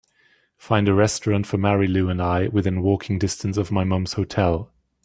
Find a restaurant for marylou and I within walking distance of my mum's hotel